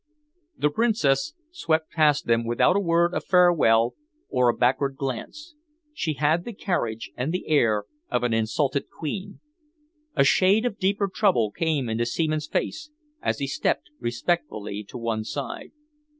The Princess swept past them without a word of farewell or a backward glance. She had the carriage and the air of an insulted queen. A shade of deeper trouble came into Seaman's face as he stepped respectfully to one side.